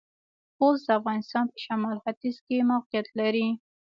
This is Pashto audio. خوست د افغانستان پۀ شمالختيځ کې موقعيت لري.